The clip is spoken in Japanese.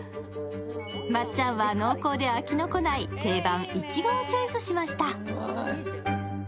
まっちゃんは濃厚で飽きのこない定番のいちごをチョイスしました。